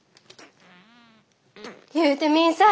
言うてみんさい。